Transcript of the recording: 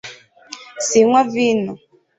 sinywa vino